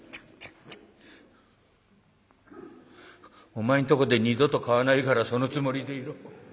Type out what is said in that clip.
「お前んとこで二度と買わないからそのつもりでいろ。